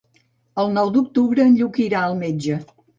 El nou d'octubre en Lluc irà al metge.